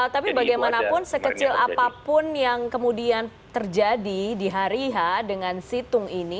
tapi bagaimanapun sekecil apapun yang kemudian terjadi di hari h dengan situng ini